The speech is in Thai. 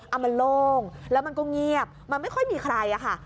เอามันโล่งแล้วมันก็เงียบมันไม่ค่อยมีใครอะค่ะ